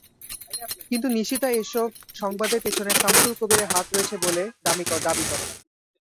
কিন্তু নিশীতা এসব সংবাদের পেছনে শামসুল কবিরের হাত রয়েছে বলে দাবি করেন।